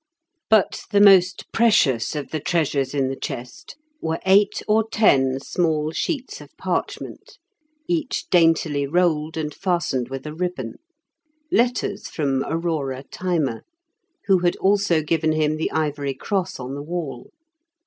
But the most precious of the treasures in the chest were eight or ten small sheets of parchment, each daintily rolled and fastened with a ribbon, letters from Aurora Thyma, who had also given him the ivory cross on the wall.